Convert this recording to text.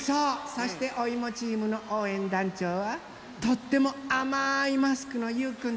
そしておいもチームのおうえんだんちょうはとってもあまいマスクのゆうくんです。